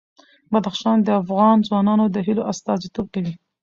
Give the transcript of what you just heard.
بدخشان د افغان ځوانانو د هیلو استازیتوب کوي.